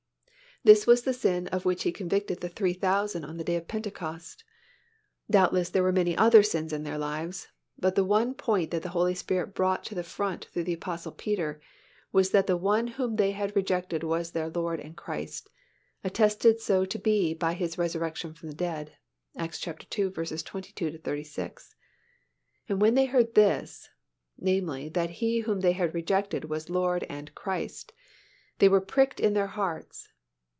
This was the sin of which He convicted the 3,000 on the Day of Pentecost. Doubtless, there were many other sins in their lives, but the one point that the Holy Spirit brought to the front through the Apostle Peter was that the One whom they had rejected was their Lord and Christ, attested so to be by His resurrection from the dead (Acts ii. 22 36). "And when they heard this (namely, that He whom they had rejected was Lord and Christ) they were pricked in their hearts."